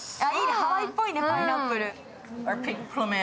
ハワイっぽいね、パイナップル。